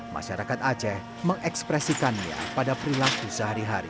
masyarakat aceh mengekspresikannya pada perilaku sehari hari